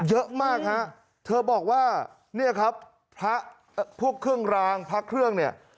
เยอะมากฮะเธอบอกว่าพวกเครื่องรางพระเครื่องเนี่ย